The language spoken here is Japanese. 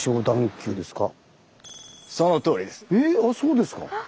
あそうですか。